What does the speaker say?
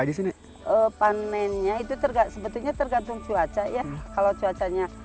disini panennya itu tergak sebetulnya tergantung cuaca ya kalau cuacanya